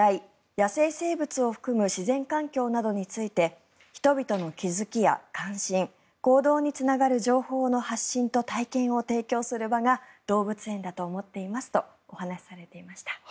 野生生物を含む自然環境などについて人々に気付きや関心行動につながる情報の発信と体験を提供する場が動物園だと思っていますとお話しされていました。